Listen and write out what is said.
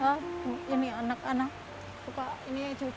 satu satunya tempat yang setidaknya masih bisa untuk bernam